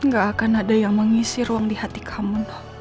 gak akan ada yang mengisi ruang di hati kamu